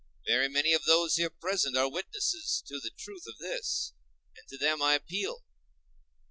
Very many of those here present are witnesses to the truth of this, and to them I appeal.